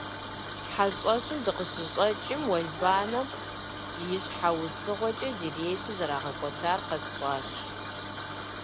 ХьэщӀэщым дыкъыщыщӏэкӏым, уэлбанэм и щхьэусыгъуэкӏэ ди рейсыр зэрагъэкӏуэтар къэтщӀащ.